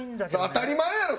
当たり前やろ！